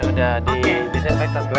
udah di disinfektan